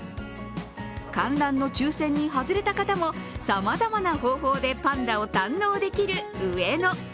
観覧の抽選に外れた方もさまざまな方法でパンダを堪能できる上野。